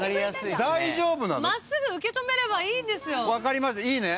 真っすぐ受け止めればいいんですよ。いいね？